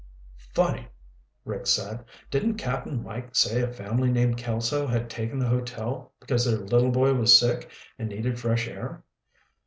"Funny," Rick said. "Didn't Cap'n Mike say a family named Kelso had taken the hotel because their little boy was sick and needed fresh air?"